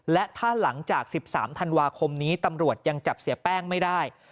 และถ้าหลังจาก๑๓ธันวาคมนี้ตำรวจยังจับเสียแป้งไม่ได้